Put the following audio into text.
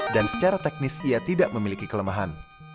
dan secara teknis ia tidak memiliki kelemahan